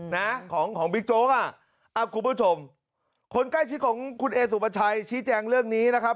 นะของของบิ๊กโจ๊กอ่ะอ้าวคุณผู้ชมคนใกล้ชิดของคุณเอสุปชัยชี้แจงเรื่องนี้นะครับ